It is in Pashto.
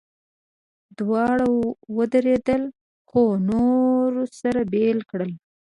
دواړه ودرېدل، خو نورو سره بېل کړل.